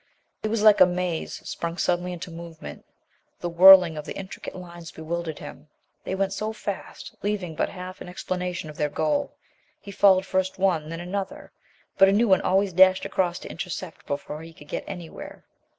It was like a maze sprung suddenly into movement. The whirling of the intricate lines bewildered him. They went so fast, leaving but half an explanation of their goal. He followed first one, then another, but a new one always dashed across to intercept before he could get anywhere.